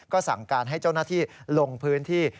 ก็สั่งการให้เจ้าหน้าที่ลงพื้นที่